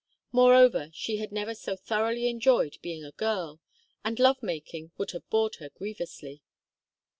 Moreover, she had never so thoroughly enjoyed being a girl, and love making would have bored her grievously.